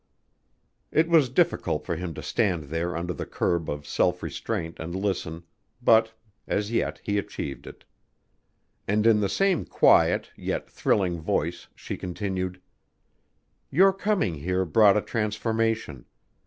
It was difficult for him to stand there under the curb of self restraint and listen, but as yet he achieved it. And in the same quiet, yet thrilling voice she continued: "Your coming here brought a transformation.